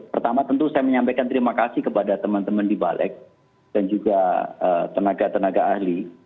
pertama tentu saya menyampaikan terima kasih kepada teman teman di balik dan juga tenaga tenaga ahli